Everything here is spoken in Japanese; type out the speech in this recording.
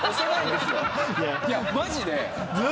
いやマジで！